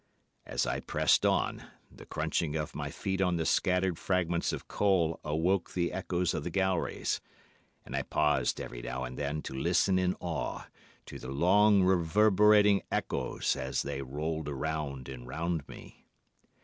As I pressed on, the crunching of my feet on the scattered fragments of coal awoke the echoes of the galleries, and I paused every now and then to listen in awe to the long reverberating echoes as they rolled round and round me.